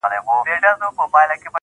تاته به پټ وژاړم تاته په خندا به سم,